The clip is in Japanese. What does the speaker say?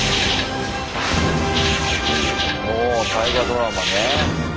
おお大河ドラマね。